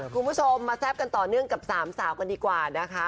คุณผู้ชมมาแซ่บกันต่อเนื่องกับสามสาวกันดีกว่านะคะ